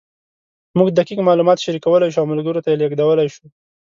موږ دقیق معلومات شریکولی شو او ملګرو ته یې لېږدولی شو.